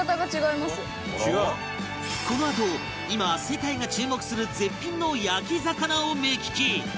このあと今世界が注目する絶品の焼き魚を目利き